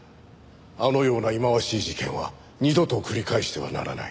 あのような忌まわしい事件は二度と繰り返してはならない。